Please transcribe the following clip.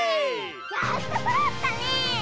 やっとそろったね！